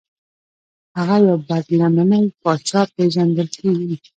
هغه یو بد لمنی پاچا پیژندل کیږي.